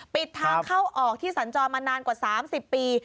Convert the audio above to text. ปิดทางเข้าออกที่สัญจรมานานกว่า๓๐ปี